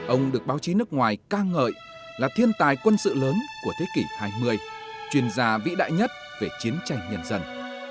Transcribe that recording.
ông được báo chí nước ngoài ca ngợi là thiên tài quân sự lớn của thế kỷ hai mươi chuyên gia vĩ đại nhất về chiến tranh nhân dân